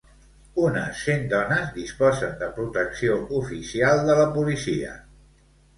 Unes cent dones disposen de protecció oficial de la policia.